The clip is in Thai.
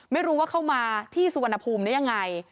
ไม่รู้ว่าเข้ามาที่สุวรรณภูมิได้ยังไง